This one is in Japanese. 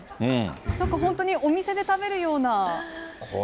なんか本当にお店で食べるような。